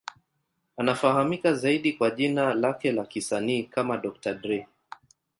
Anafahamika zaidi kwa jina lake la kisanii kama Dr. Dre.